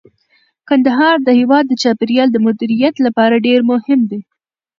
کندهار د هیواد د چاپیریال د مدیریت لپاره ډیر مهم دی.